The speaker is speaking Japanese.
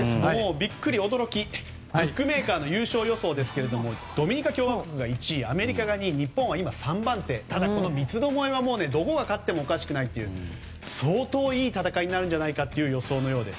ビックリ、驚きブックメーカーの優勝予想ですがドミニカ共和国が１位アメリカが２位日本は今３番手ただ、この三つどもえはどこが勝ってもおかしくないという相当いい戦いになるという予想のようです。